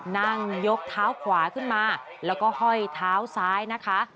นั่งยกเท้าขวาขึ้นมาแล้วก็ห้อยเท้าซ้ายนะคะ